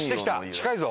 近いぞ！